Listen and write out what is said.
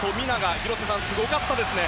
広瀬さん、すごかったですね。